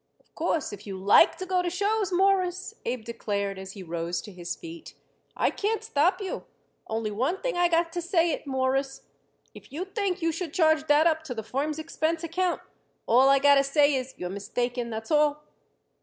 "Of course, if you like to go to shows, Mawruss," Abe declared as he rose to his feet, "I can't stop you. Only one thing I got to say it, Mawruss if you think you should charge that up to the firm's expense account, all I got to say is you're mistaken, that's all."